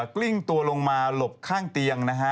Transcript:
กลิ้งตัวลงมาหลบข้างเตียงนะฮะ